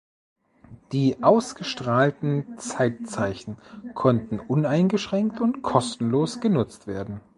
Die ausgestrahlten Zeitzeichen konnten uneingeschränkt und kostenlos genutzt werden.